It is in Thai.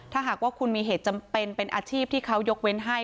ถ้าหากว่าคุณมีเหตุจำเป็นเป็นอาชีพที่เขายกเว้นให้